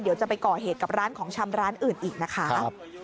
เดี๋ยวจะไปก่อเหตุกับร้านของชำร้านอื่นอีกนะคะ